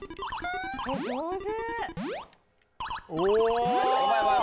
上手！